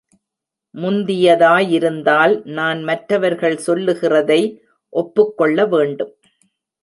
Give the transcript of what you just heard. முந்தியதாயிருந்தால் நான் மற்றவர்கள் சொல்லுகிறதை ஒப்புக்கொள்ள வேண்டும்.